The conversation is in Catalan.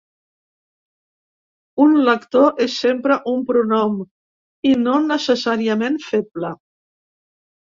Un lector és sempre un pronom, i no necessàriament feble.